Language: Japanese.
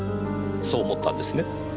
そう思ったんですね？